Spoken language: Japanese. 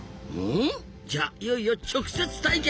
じゃいよいよ直接対決ですな！